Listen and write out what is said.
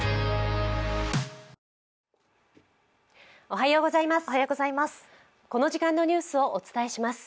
おはようございます。